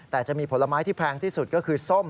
แต่จะมีผลไม้ที่แพงที่สุดก็คือส้ม